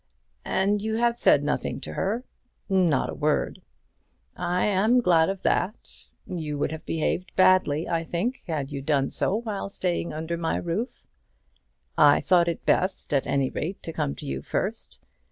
"And you have said nothing to her?" "Not a word." "I am glad of that. You would have behaved badly, I think, had you done so while staying under my roof." "I thought it best, at any rate, to come to you first.